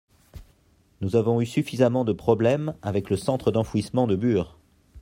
Nous avons eu suffisamment de problèmes avec le centre d’enfouissement de Bure.